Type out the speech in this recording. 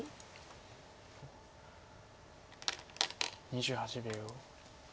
２８秒。